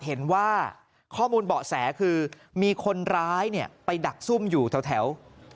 เห็นว่าข้อมูลเบาะแสคือมีคนร้ายไปดักซุ่มอยู่แถว